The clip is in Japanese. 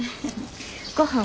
ごはん